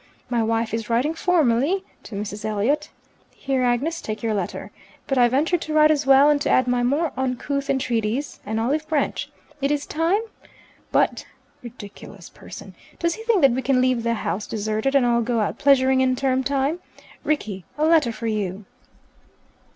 My wife is writing formally to Mrs. Elliot' (Here, Agnes, take your letter), but I venture to write as well, and to add my more uncouth entreaties.' An olive branch. It is time! But (ridiculous person!) does he think that we can leave the House deserted and all go out pleasuring in term time? Rickie, a letter for you."